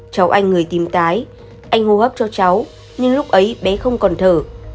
cháu anh người tìm tái anh hô gấp cho cháu nhưng lúc ấy bé không còn thở